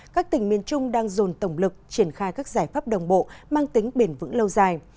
các tỉnh miền trung đang dồn tổng lực triển khai các giải pháp đồng bộ mang tính bền vững lâu dài